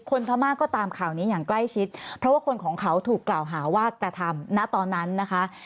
พม่าก็ตามข่าวนี้อย่างใกล้ชิดเพราะว่าคนของเขาถูกกล่าวหาว่ากระทำณตอนนั้นนะคะ